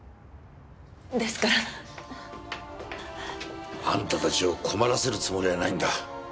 ですから！あんたたちを困らせるつもりはないんだ。